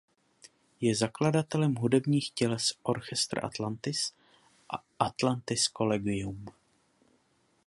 Je zakladatelem hudebních těles Orchestr Atlantis a Atlantis Collegium.